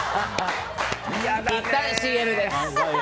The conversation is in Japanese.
いったんＣＭです。